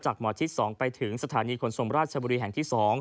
หมอชิด๒ไปถึงสถานีขนส่งราชบุรีแห่งที่๒